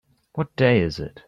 What day is it?